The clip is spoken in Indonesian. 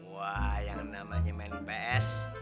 wah yang namanya main ps